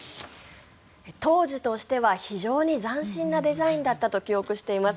当時としては非常に斬新なデザインだったと記憶しています。